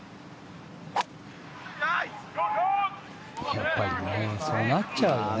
やっぱりそうなっちゃうよね。